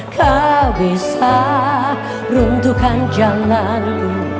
kau bisa runtuhkan jalanku